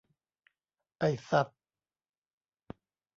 ไอ้สัส